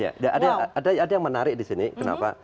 ya ada yang menarik di sini kenapa